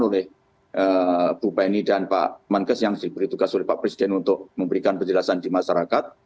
oleh bu penny dan pak mankes yang diberi tugas oleh pak presiden untuk memberikan penjelasan di masyarakat